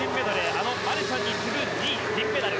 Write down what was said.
あのマルシャンに次ぐ２位、銀メダル。